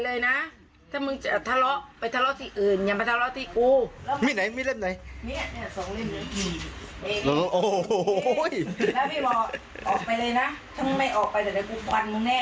บอกให้มึงมีปืนกูก็ไม่กลัว